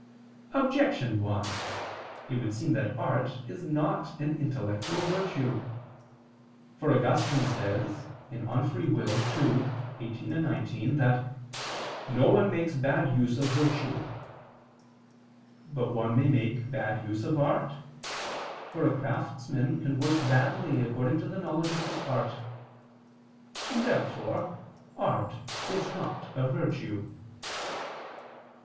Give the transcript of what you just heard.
Objection 1: It would seem that art is not an intellectual virtue. For Augustine says (De Lib. Arb. ii, 18, 19) that "no one makes bad use of virtue." But one may make bad use of art: for a craftsman can work badly according to the knowledge of his art. Therefore art is not a virtue.